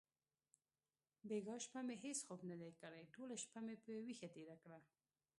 بیګا شپه مې هیڅ خوب ندی کړی. ټوله شپه مې په ویښه تېره کړه.